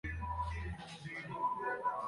رأيت التقاط جنى نخلة